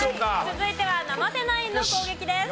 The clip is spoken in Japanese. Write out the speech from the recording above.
続いては生瀬ナインの攻撃です。